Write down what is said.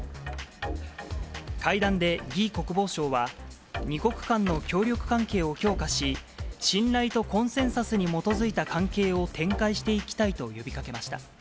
会談で魏国防相は、２国間の協力関係を強化し、信頼とコンセンサスに基づいた関係を展開していきたいと呼びかけました。